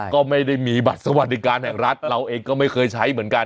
ก็ไม่ได้มีบัตรสวัสดิการแห่งรัฐเราเองก็ไม่เคยใช้เหมือนกัน